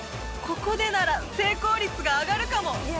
ここでなら成功率が上がるかも！？